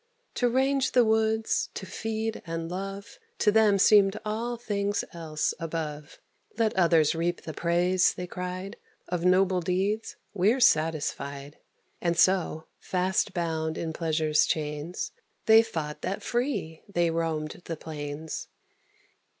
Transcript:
To range the woods, to feed and love, To them seemed all things else above. "Let others reap the praise," they cried, "Of noble deeds: we're satisfied." And so, fast bound in Pleasure's chains, They thought that free they roamed the plains.